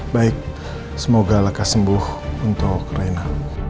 baik semoga laka sembuh untuk reina